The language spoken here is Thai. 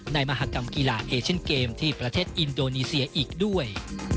มหากรรมกีฬาเอเชนเกมที่ประเทศอินโดนีเซียอีกด้วย